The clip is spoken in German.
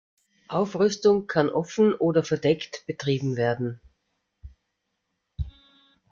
Aufrüstung kann offen oder verdeckt betrieben werden.